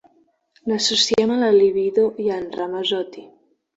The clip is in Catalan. L'associem a la libido i a Ramazzotti.